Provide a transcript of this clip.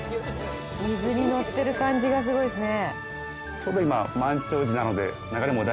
水に乗ってる感じがすごいですね。